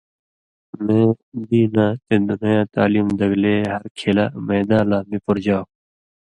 مے دیناں تے دُنَیں یاں تعلیم دگلے ہر کھِلہ (میداں) لا می پورژاؤ۔